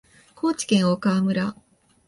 高知県大川村